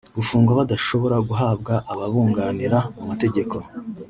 gufungwa badashobora guhabwa ababunganira mu mategeko